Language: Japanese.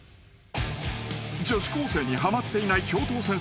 ［女子高生にはまっていない教頭先生］